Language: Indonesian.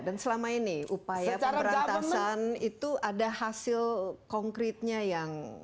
dan selama ini upaya perberantasan itu ada hasil konkretnya yang positif